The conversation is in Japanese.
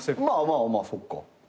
まあまあそっか。